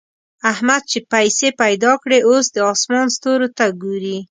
احمد چې پيسې پیدا کړې؛ اوس د اسمان ستورو ته ګوري.